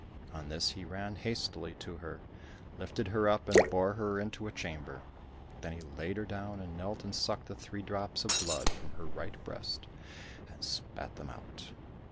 On this he ran hastily to her, lifted her up and bore her into a chamber—then he laid her down, and knelt and sucked the three drops of blood from her right breast, and spat them out.